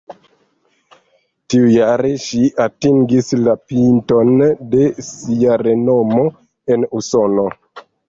Tiujare ŝi atingis la pinton de sia renomo en Usono.